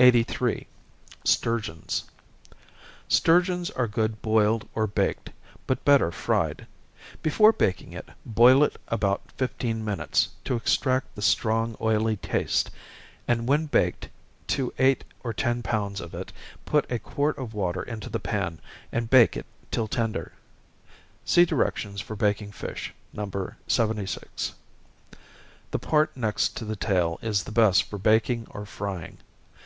83. Sturgeons. Sturgeons are good boiled or baked, but better fried. Before baking it, boil it about fifteen minutes, to extract the strong oily taste, and when baked, to eight or ten pounds of it put a quart of water into the pan, and bake it till tender. (See directions for baking fish, No. 76.) The part next to the tail is the best for baking or frying.